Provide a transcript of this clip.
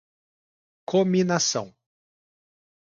cominação